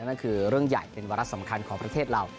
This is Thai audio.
นั่นคือเรื่องใหญ่เป็นวาระสำคัญของประเทศเรา